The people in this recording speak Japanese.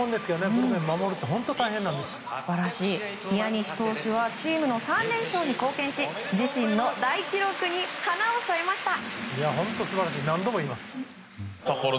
ブルペンを守るのは宮西投手はチームの３連勝に貢献し自身の大記録に花を添えました。